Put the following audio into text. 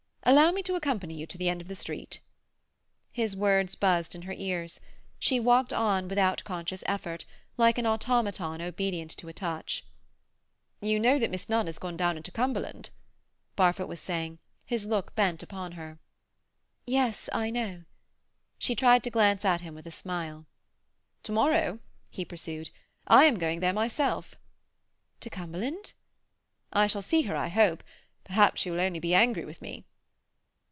"Allow me to accompany you to the end of the street." His words buzzed in her ears. She walked on without conscious effort, like an automaton obedient to a touch. "You know that Miss Nunn has gone down into Cumberland?" Barfoot was saying, his look bent upon her. "Yes. I know." She tried to glance at him with a smile. "To morrow," he pursued, "I am going there myself." "To Cumberland?" "I shall see her, I hope. Perhaps she will only be angry with me."